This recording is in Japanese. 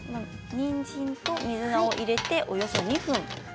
にんじんと水菜を入れておよそ２分。